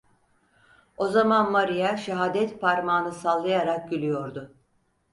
O zaman Maria şahadetparmağını sallayarak gülüyordu…